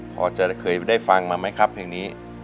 พอจะเคยได้ฟังมาไหมครับเพลงนี้